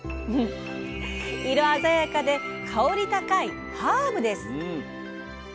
色鮮やかで香り高いハーブです。